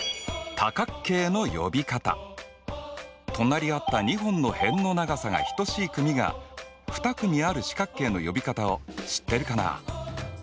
隣り合った２本の辺の長さが等しい組が２組ある四角形の呼び方を知ってるかな？